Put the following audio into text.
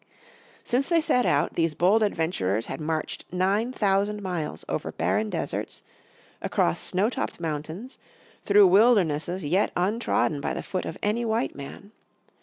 Since they set out, these bold adventurers had marched nine thousand miles over barren deserts, across snow topped mountains, through wildernesses yet untrodden by the foot of any white man.